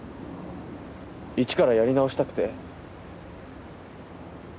イチからやり直したくて。